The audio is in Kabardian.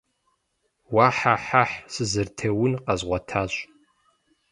Уэ-хьэ-хьэхь! Сызэрытеун къэзгъуэтащ.